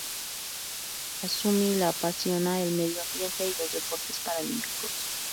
A Sumi le apasiona el medio ambiente y los deportes paralímpicos.